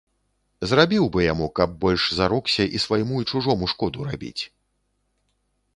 Зрабіў бы яму, каб больш зарокся і свайму і чужому шкоду рабіць.